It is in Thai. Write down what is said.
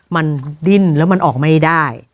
มันดิ้นแล้วมันออกไม่ได้